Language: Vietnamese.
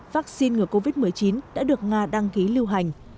vaccine ngừa covid một mươi chín đã được nga đăng ký lưu hành